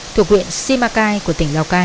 thuộc huyện simacai của tỉnh lào cai